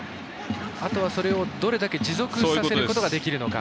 あとはそれをどれだけ持続させることができるのか。